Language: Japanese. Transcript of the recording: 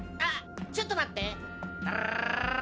ちょっと待って。